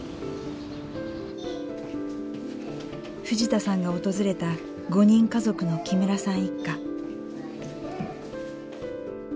藤田さんが訪れた５人家族の木村さん一家。